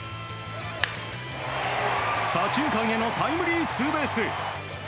左中間へのタイムリーツーベース。